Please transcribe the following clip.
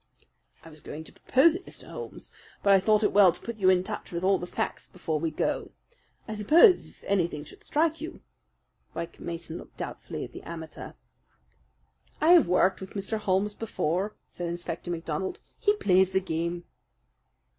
"I was going to propose it, Mr. Holmes; but I thought it well to put you in touch with all the facts before we go. I suppose if anything should strike you " White Mason looked doubtfully at the amateur. "I have worked with Mr. Holmes before," said Inspector MacDonald. "He plays the game."